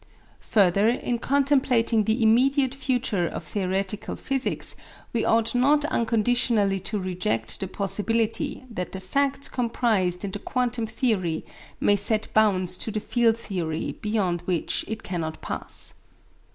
Further, in contemplating the immediate future of theoretical physics we ought not unconditionally to reject the possibility that the facts comprised in the quantum theory may set bounds to the field theory beyond which it cannot pass.